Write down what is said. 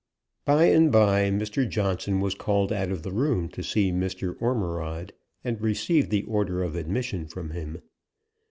By and by Mr. Johnson was called out of the room to see Mr. Ormerod, and receive the order of admission from him.